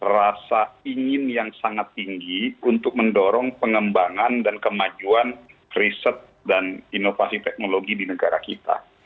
rasa ingin yang sangat tinggi untuk mendorong pengembangan dan kemajuan riset dan inovasi teknologi di negara kita